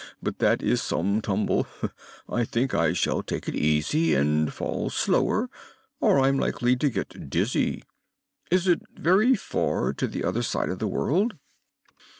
but that is some tumble. I think I shall take it easy and fall slower, or I'm likely to get dizzy. Is it very far to the other side of the world?"